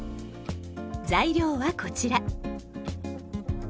材料はこちら。